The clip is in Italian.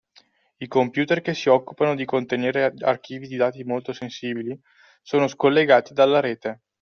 I computer che si occupano di contenere archivi di dati molto sensibili sono scollegati dalla rete.